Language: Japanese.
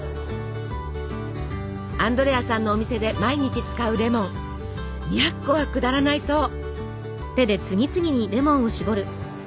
アンドレアさんのお店で毎日使うレモン２００個は下らないそう！